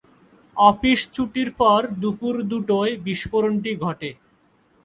Office ছুটির পর দুপুর দুটোয় বিস্ফোরণটি ঘটে।